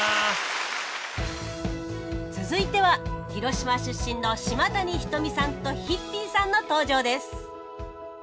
続いては広島出身の島谷ひとみさんとＨＩＰＰＹさんの登場です